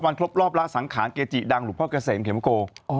ครบรอบละสังขารเกจิดังหลวงพ่อเกษมเข็มโก